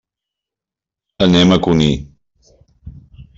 Anem a Cunit.